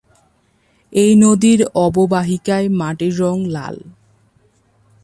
এই নদীর অববাহিকায় মাটির রং লাল।